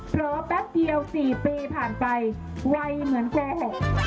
เพราะแป๊บเดียวสี่ปีผ่านไปไวเหมือนกว่าแห่ง